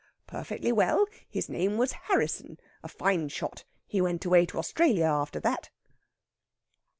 "Perfectly well. His name was Harrisson. A fine shot. He went away to Australia after that."